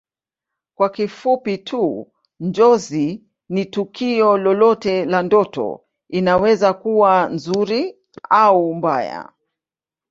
Kwa kifupi tu Njozi ni tukio lolote la ndoto inaweza kuwa nzuri au mbaya